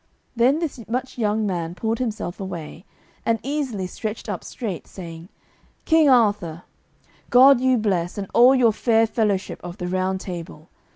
Then this much young man pulled himself away, and easily stretched up straight, saying: "King Arthur, God you bless and all your fair fellowship of the Round Table.